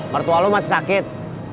mertua lu masih sakit